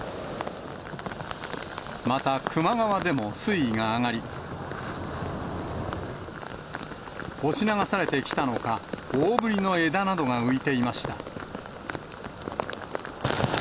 また、球磨川でも水位が上がり、押し流されてきたのか、大ぶりの枝などが浮いていました。